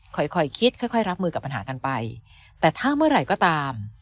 ค่อยค่อยคิดค่อยค่อยรับมือกับปัญหากันไปแต่ถ้าเมื่อไหร่ก็ตาม